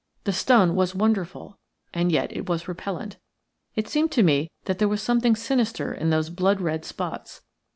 The stone was wonderful, and yet it was repellent. It seemed to me that there was something sinister in those blood red spots.